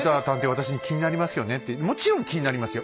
私に「気になりますよね？」ってもちろん気になりますよ。